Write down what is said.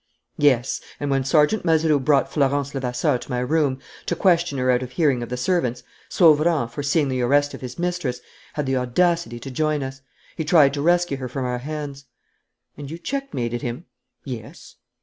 "Yes; and when Sergeant Mazeroux brought Florence Levasseur to my room, to question her out of hearing of the servants, Sauverand, foreseeing the arrest of his mistress, had the audacity to join us. He tried to rescue her from our hands." "And you checkmated him?" "Yes."